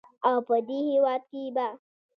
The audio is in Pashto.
او په دې هېواد کې به